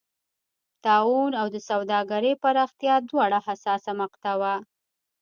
طاعون او د سوداګرۍ پراختیا دواړه حساسه مقطعه وه.